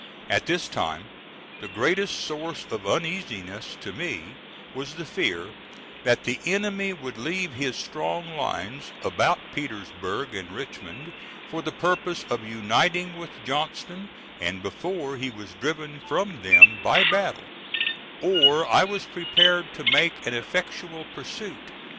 At this time the greatest source of uneasiness to me was the fear that the enemy would leave his strong lines about Petersburg and Richmond for the purpose of uniting with Johnston, and before he was driven from them by battle, or I was prepared to make an effectual pursuit.